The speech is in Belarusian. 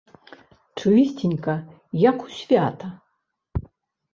Чысценька, як у свята.